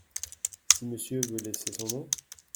Si Monsieur veut laisser son nom ?